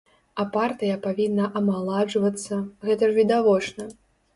А партыя павінна амаладжвацца, гэта ж відавочна.